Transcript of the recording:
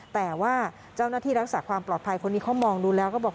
แต่ว่าเจ้าหน้าที่รักษาความปลอดภัยคนนี้เขามองดูแล้วก็บอก